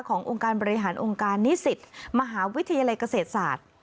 องค์การบริหารองค์การนิสิตมหาวิทยาลัยเกษตรศาสตร์